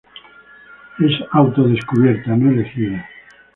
Es auto-descubierta, no elegida.